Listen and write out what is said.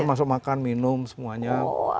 termasuk makan minum semuanya